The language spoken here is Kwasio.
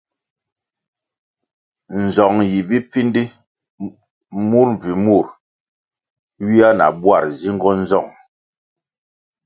Nzong yi bipfindi, mur mbpi mur ywia na bwar nzingo nzong.